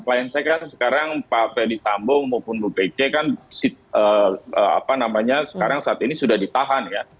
klien saya kan sekarang pak ferdisambo maupun bu pece kan apa namanya sekarang saat ini sudah ditahan ya